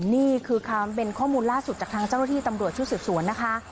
นี่คือความเป็นข้อมูลล่าสุดจากทางเจ้าหน้าที่ตำรวจชุดสืบสวนนะคะ